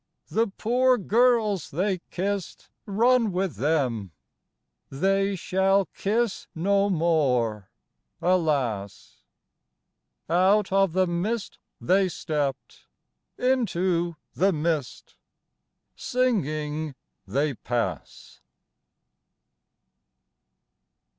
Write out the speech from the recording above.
The poor girls they kissed Run with them : they shall kiss no more, alas I Out of the mist they stepped into the mist Singing they oass.